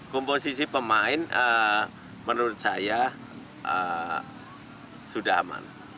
komposisi pemain menurut saya sudah aman